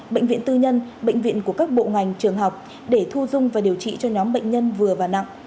bệnh viện tư nhân bệnh viện của các bộ ngành trường học để thu dung và điều trị cho nhóm bệnh nhân vừa và nặng